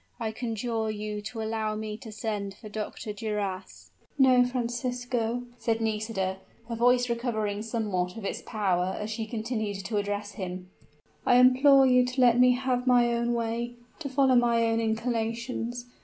I conjure you to allow me to send for Dr. Duras!" "No, Francisco," said Nisida, her voice recovering somewhat of its power as she continued to address him: "I implore you to let me have my own way, to follow my own inclinations!